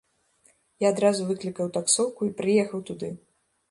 Я адразу выклікаў таксоўку і прыехаў туды.